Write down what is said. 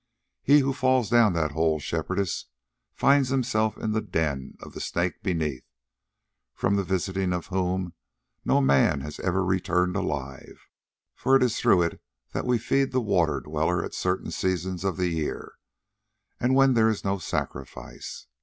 He who falls down that hole, Shepherdess, finds himself in the den of the Snake beneath, from the visiting of whom no man has ever returned alive, for it is through it that we feed the Water dweller at certain seasons of the year, and when there is no sacrifice.